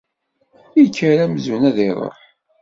Ikker amzun ad iṛuḥ.